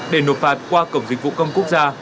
để nộp phạt qua cổng dịch vụ công quốc gia